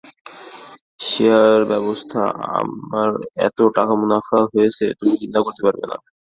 Share ব্যবসায় আমার এত টাকা মুনাফা হয়েছে তুমি চিন্তা করতে পারবে না।